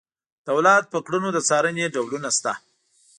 دولت په کړنو د څارنې ډولونه شته.